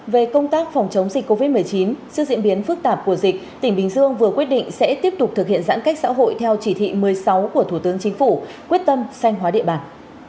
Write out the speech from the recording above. về công tác phòng chống dịch covid một mươi chín sự diễn biến phức tạp của dịch tỉnh bình dương vừa quyết định sẽ tiếp tục thực hiện giãn cách xã hội theo chỉ thị một mươi sáu của thủ tướng chính phủ quyết tâm sanh hóa địa bàn